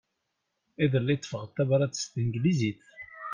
Iḍelli ṭṭfeɣ-d tabrat s tneglizit.